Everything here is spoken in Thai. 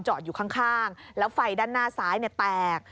อยู่ข้างแล้วไฟด้านหน้าซ้ายแตก